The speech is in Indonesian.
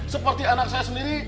seperti anak saya sendiri